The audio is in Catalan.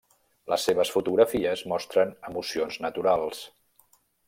Les seves fotografies mostren emocions naturals.